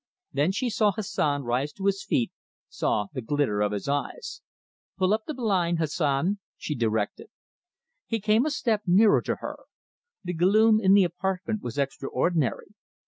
Then she saw Hassan rise to his feet, saw the glitter of his eyes. "Pull up the blind, Hassan," she directed. He came a step nearer to her. The gloom in the apartment was extraordinary.